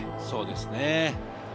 そうですね。